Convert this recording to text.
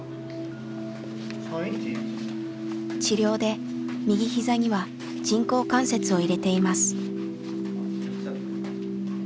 治療で右ひざには人工関節を入れています。